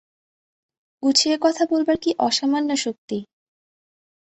গুছিয়ে কথা বলবার কী অসামান্য শক্তি!